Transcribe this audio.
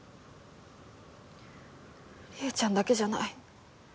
りえちゃんだけじゃない。